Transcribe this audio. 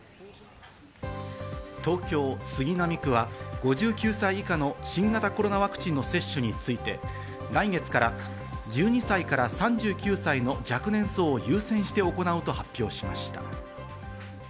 東京・杉並区は５９歳以下の新型コロナワクチンの接種について、来月から１２歳から３９歳の若年層を優先して行うと発表しました。